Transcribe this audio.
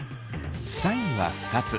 ３位は２つ。